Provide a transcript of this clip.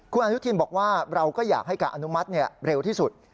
คุณอนุทินบอกว่าเราก็อยากให้การอนุมัติเร็วที่สุด